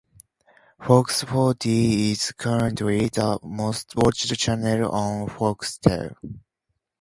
Fox Footy is currently the most watched channel on Foxtel.